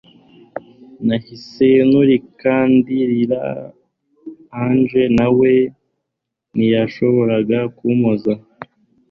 nahise nturika ndirira Angel nawe ntiyashoboraga kumpoza